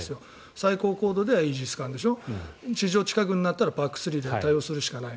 最高高度ではイージス艦地上近くになったらＰＡＣ３で対応するしかない。